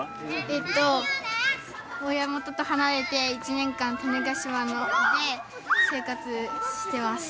えっと親元と離れて１年間種子島で生活してます。